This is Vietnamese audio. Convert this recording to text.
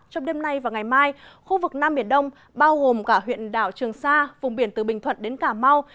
trong đêm nay và ngày mai khu vực nam biển đông bao gồm cả huyện đảo trường sa vùng biển từ bình thuận đến cà mau